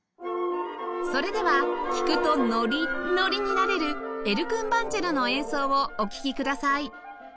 それでは聴くとノリッノリになれる『エル・クンバンチェロ』の演奏をお聴きください